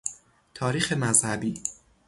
تاریخ مذهبی